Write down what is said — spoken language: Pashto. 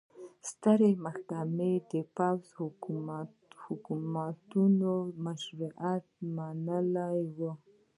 سترې محکمې د پوځي حکومتونو مشروعیت منلی و.